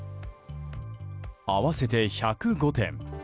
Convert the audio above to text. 合わせて１０５点。